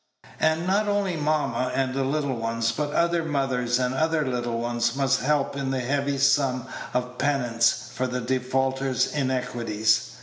And not only mamma and the little ones, but other mothers and other little ones, must help in the heavy sum of penance for the defaulter's iniquities.